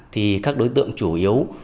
thì các đối tượng chủ yếu